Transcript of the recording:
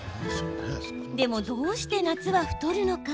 でも、どうして夏は太るのか。